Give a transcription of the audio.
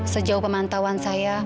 sejauh pemantauan saya